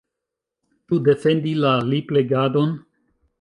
Ĉu defendi la liplegadon?